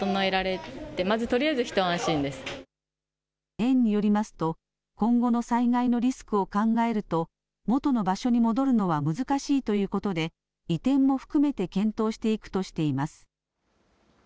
園によりますと、今後の災害のリスクを考えると、元の場所に戻るのは難しいということで、移転も含めて検討していくとしています。